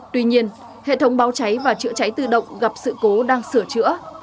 tuy nhiên hệ thống báo cháy và chữa cháy tự động gặp sự cố đang sửa chữa